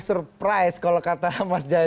surprise kalau kata mas jaya